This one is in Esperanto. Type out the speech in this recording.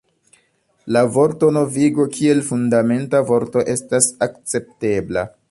La vorto novigo kiel fundamenta vorto estas akceptebla.